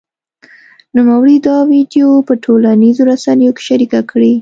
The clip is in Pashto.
نوموړي دا ویډیو په ټولنیزو رسنیو کې شرېکه کړې